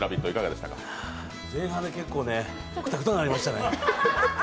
前半で結構くたくたなりましたね。